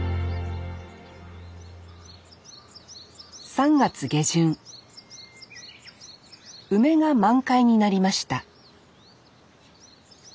３月下旬梅が満開になりました